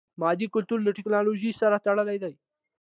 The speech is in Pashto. مادي کلتور له ټکنالوژي سره تړلی دی.